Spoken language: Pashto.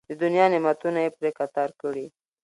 د دنیا نعمتونه یې پرې قطار کړي.